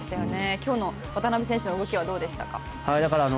今日の渡邊選手の動きはどうでしたか？